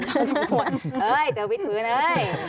เฮ้ยเจอวิทย์มือนะเฮ้ย